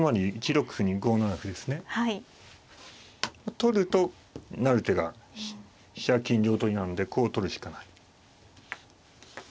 取ると成る手が飛車金両取りなんでこう取るしかない。